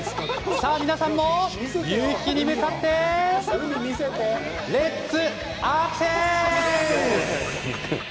さあ皆さんも夕日に向かってレッツアクセス！